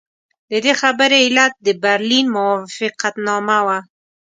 د دې خبرې علت د برلین موافقتنامه وه.